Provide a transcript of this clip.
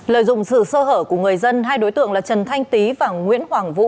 lợi dụng sự sơ hở của người dân hai đối tượng là trần thanh tý và nguyễn hoàng vũ